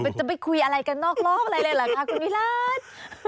แหมแหมจะไปคุยอะไรกันนอกล้อมอะไรเลยเหรอคุณวิรัติ